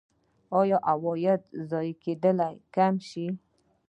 آیا د عوایدو ضایع کیدل کم شوي؟